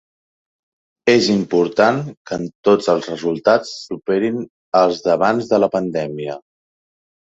És important que en tots els resultats superin els d’abans de la pandèmia.